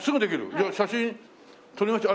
じゃあ写真撮りましょう。